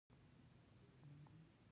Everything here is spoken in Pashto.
صادقانه اعلان د باور اساس جوړوي.